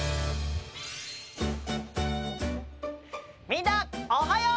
みんなおはよう！